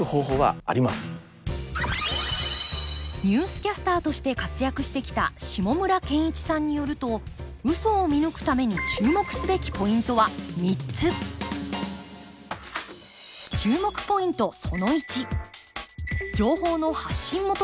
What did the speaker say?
ニュースキャスターとして活躍してきた下村健一さんによるとウソを見抜くために注目すべきポイントは３つ注目ポイント